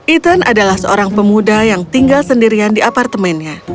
ethan adalah seorang pemuda yang tinggal sendirian di apartemennya